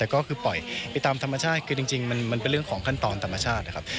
ก็คือปล่อยไปตามธรรมชาติคือจริงมันเป็นเรื่องของขั้นตอนธรรมชาตินะครับ